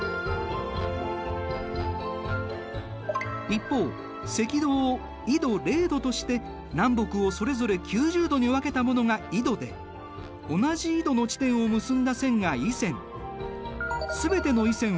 一方赤道を緯度０度として南北をそれぞれ９０度に分けたものが緯度で同じ緯度の地点を結んだ線が緯線。